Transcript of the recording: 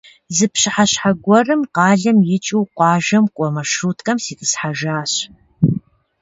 Зы пщыхьэщхьэ гуэрым къалэм икӀыу къуажэм кӀуэ маршруткэм ситӀысхьэжащ.